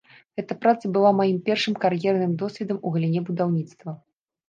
Гэта праца была маім першым кар'ерным досведам у галіне будаўніцтва.